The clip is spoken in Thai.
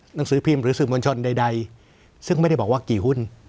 หนังสือพิมพ์หรือสื่อมวลชนใดซึ่งไม่ได้บอกว่ากี่หุ้น